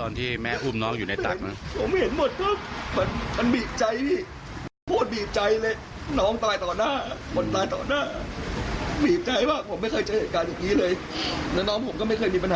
แล้วเขานึกได้ว่ามันเป็นอะไรนะครับ